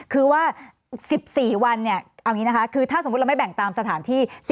คือว่า๑๔วันเนี่ยเอาอย่างนี้นะคะคือถ้าสมมุติเราไม่แบ่งตามสถานที่